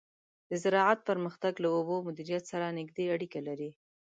د زراعت پرمختګ له اوبو مدیریت سره نږدې اړیکه لري.